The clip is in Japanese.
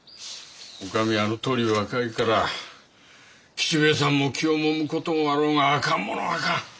おかみはあのとおり若いから吉兵衛さんも気をもむこともあろうがあかんものはあかん。